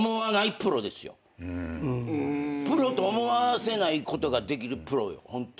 プロと思わせないことができるプロよホントに。